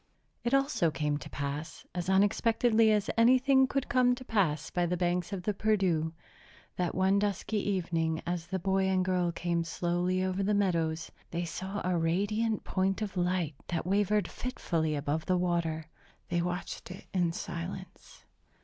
It also came to pass, as unexpectedly as anything could come to pass by the banks of the Perdu, that one dusky evening, as the boy and girl came slowly over the meadows, they saw a radiant point of light that wavered fitfully above the water. They watched it in silence.